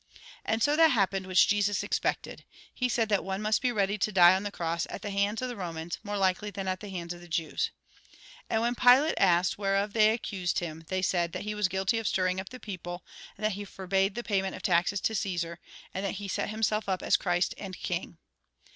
And so that happened which Jesus expected. He said that one must be ready to die on the cross at the hands of the Eomans, more likely than at the hands of the Jews. And when Pilate asked, whereof they accused him, they said, that he was guilty of stining up the people, and that he forbade the payment of taxes to Caesar, and that he set up himself as Christ and king.